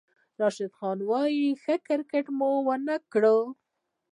راشد خان وايي، "ښه کرېکټ مو ونه کړ"